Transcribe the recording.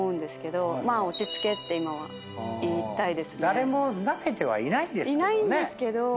誰もナメてはいないんですけどね。